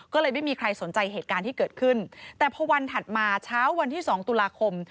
ก็เลยไม่มีใครสนใจเหตุการณ์ที่เกิดขึ้นแต่พอวันถัดมาเช้าวันที่สองตุลาคม